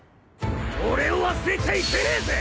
俺を忘れちゃいけねえぜ！